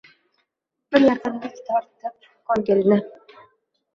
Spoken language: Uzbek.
Bir yaqinlik tortib ko’ngilni